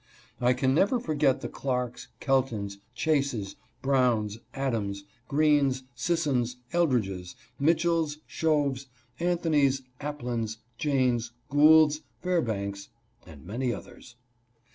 I can never forget the Clarks, Keltons, Chases, Browns, Adams, Greenes, Sissons, Eldredges, Mitchells, Shoves, Anthonys, Applins, Janes, Goulds, Fairbanks, and many others.